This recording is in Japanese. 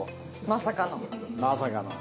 まさかの。